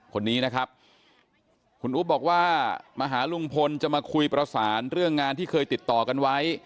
คนนี้นะครับคุณอุ๊บบอกว่ามาหาลุงพลจะมาคุยประสานเรื่องงานที่เคยติดต่อกันไว้